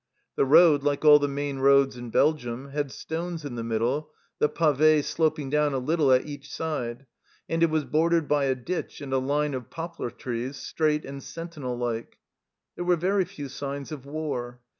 The road, like all the main roads in Belgium, had stones in the middle, the pave sloping down a little at each side, and it was bordered by a ditch and a line of poplar trees, straight and sentinel like. There were very few signs of war.